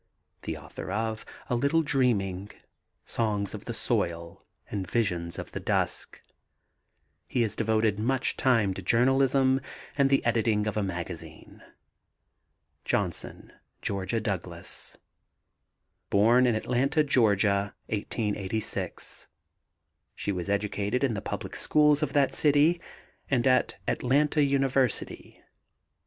The author of A Little Dreaming, Songs of the Soil and Visions of the Dusk. He has devoted much time to journalism and the editing of a magazine. JOHNSON, GEORGIA DOUGLAS. Born in Atlanta, Ga., 1886. She was educated in the public schools of that city and at Atlanta University.